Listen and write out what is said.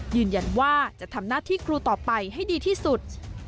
ยืนยันว่าจะทำหน้าที่ครูต่อไปให้ดีที่สุด